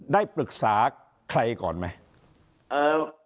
ได้ปรึกษาใครก่อนไหม